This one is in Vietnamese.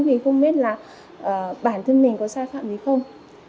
vì không biết là bản thân mình có sai phạm gì không